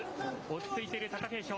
落ち着いている貴景勝。